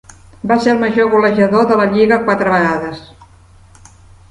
Va ser el major golejador de la lliga quatre vegades.